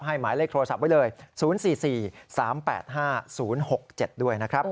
หมายเลขโทรศัพท์ไว้เลย๐๔๔๓๘๕๐๖๗ด้วยนะครับ